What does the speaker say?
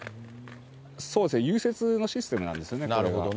そうです、融雪のシステムなんですよね、これが。